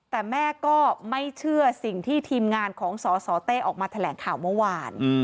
แต่แม่ก็ไม่เชื่อสิ่งที่ทีมงานของสสเต้ออกมาแถลงข่าวเมื่อวาน